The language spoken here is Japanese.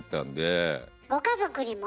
ご家族にも？